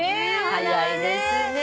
早いですね。